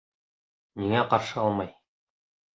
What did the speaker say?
Ниңә ҡаршы алмай?